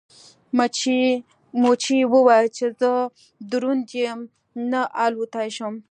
مچۍ وویل چې که زه دروند یم نو الوتلی شم.